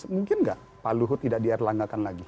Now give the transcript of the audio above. mungkin nggak pak luhut tidak di erlanggakan lagi